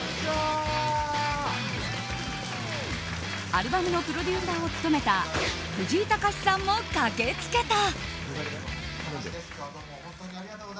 アルバムのプロデューサーを務めた藤井隆さんも駆け付けた。